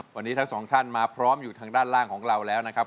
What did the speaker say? วันนี้ทั้งสองท่านมาพร้อมอยู่ทางด้านล่างของเราแล้วนะครับ